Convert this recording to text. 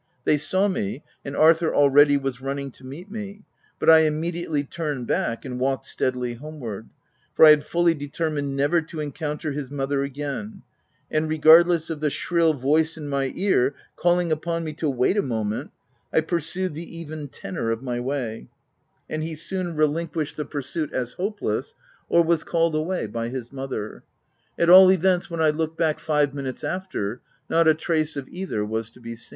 They saw me ; and Arthur, already, was running to meet me ; but I immediately turned back and walked steadily homeward ; for I had fully determined never to encounter his mother again ; and regardless of the shrill voice in my ear, calling upon me to " wait a moment," I pursued the even tenor of my way ; and he soon relinquished the pursuit as hope less, or was called away by his mother. At all events, when I looked back, five minutes after, not a trace of either was to be seen.